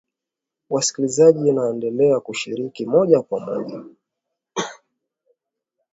Wasikilizaji waendelea kushiriki moja kwa moja